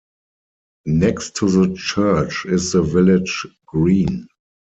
Next to the church is the village green.